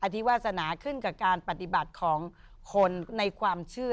ที่วาสนาขึ้นกับการปฏิบัติของคนในความเชื่อ